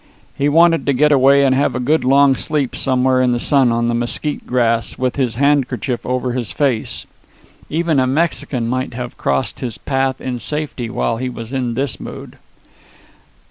He wanted to get away and have a good long sleep somewhere in the sun on the mesquit grass with his handkerchief over his face. Even a Mexican might have crossed his path in safety while he was in this mood.